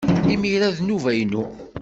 Imir-a d nnuba-inu!